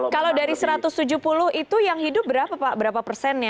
kalau dari satu ratus tujuh puluh itu yang hidup berapa pak berapa persennya